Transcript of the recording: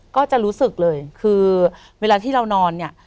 ก็จะรู้สึกเลยคือเวลาที่เรานอนเนี่ย